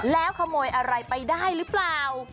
แล้วขโมยอะไรไปได้หรือเปล่า